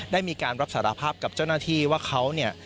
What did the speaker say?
ได้มีการรับสารภาพกับเจ้าหน้าที่ว่าเขาเนี่ย